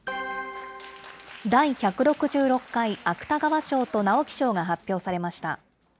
第１６６回芥川賞と直木賞が発表されました。